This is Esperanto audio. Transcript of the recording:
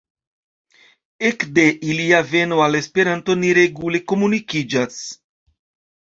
Ekde ilia veno al Esperanto ni regule komunikiĝas.